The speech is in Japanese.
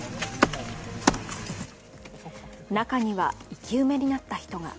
中には生き埋めになった人が。